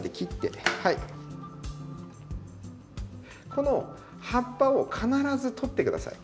この葉っぱを必ず取って下さい。